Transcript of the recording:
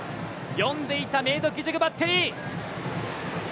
読んでいた明徳義塾バッテリー。